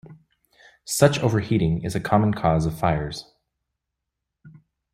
Such overheating is a common cause of fires.